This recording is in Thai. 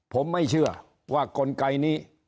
ผมไม่เชื่อว่ากลไกนี้